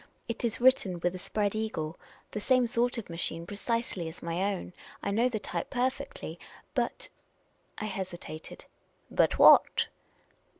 It is written with a Spread E:igle, the same sort of machine precisely as my own. I know the type perfectly. But " I hesitated. " But what?"